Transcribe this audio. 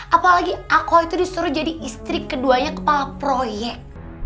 apalagi aku itu disuruh jadi istri keduanya kepala proyek